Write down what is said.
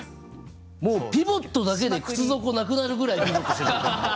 もうピボットだけで靴底なくなるぐらいピボットしてる。